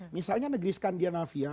misalnya negeri skandinavia